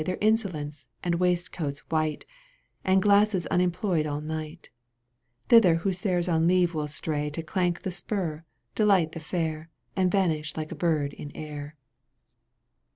Their insolence and waistcoats white And glasses unemployed all night ; Thither hussars on leave will stray To clank the spur, delight the fair — And vanish like a bird in air.